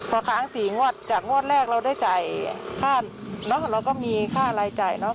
พอค้างสี่งวดจากงวดแรกเราได้จ่ายค่าเนอะเราก็มีค่ารายจ่ายเนอะ